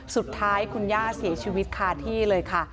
สุดท้ายคุณย่าเสียชีวิตคาที่เลยค่ะ